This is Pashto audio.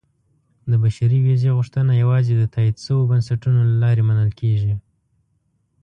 • د بشري ویزې غوښتنه یوازې د تایید شویو بنسټونو له لارې منل کېږي.